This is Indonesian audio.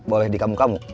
nanti boleh dikamu kamu